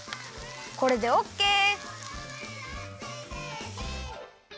これでオッケー！